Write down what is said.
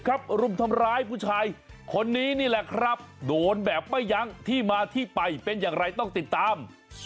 รุมทำร้ายผู้ชายคนนี้นี่แหละครับโดนแบบไม่ยั้งที่มาที่ไปเป็นอย่างไรต้องติดตาม